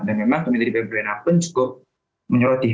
dan memang komitmen bbrnr pun cukup menyoroti